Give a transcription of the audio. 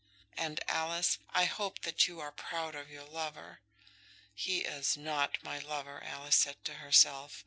"And, Alice, I hope that you are proud of your lover!" "He is not my lover," Alice said to herself.